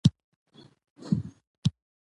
د هر کار په کولو سره، لومړی په هغه کار کښي فکر وکړئ!